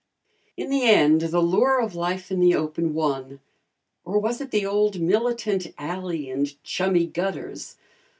In the end the lure of life in the open won; or was it the old militant alley and chummy gutters?